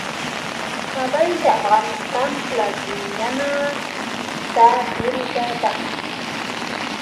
کابل د افغانستان پلازمېنه ده بېلګه ده.